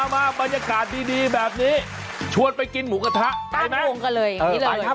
มาบรรยากาศดีแบบนี้ชวนไปกินหมูกระทะได้ไหมตรงกันเลยอย่างนี้เลย